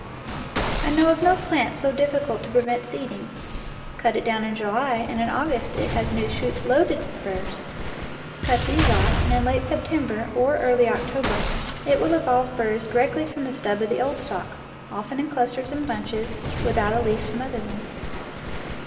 I know of no plant so difficult to prevent seeding. Cut it down in July, and in August it has new shoots loaded with burrs; cut these off, and in late Sep tember, or early October, it will evolve burrs di rectly from the stub of the old stalk, often in clusters and bunches, without a leaf to mother them.